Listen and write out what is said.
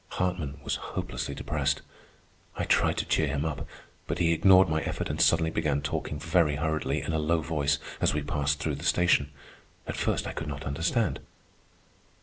Hartman was hopelessly depressed. I tried to cheer him up, but he ignored my effort and suddenly began talking very hurriedly, in a low voice, as we passed through the station. At first I could not understand.